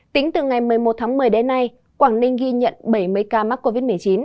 tính từ ngày một mươi một tháng một mươi đến nay quảng ninh ghi nhận bảy mươi ca mắc covid một mươi chín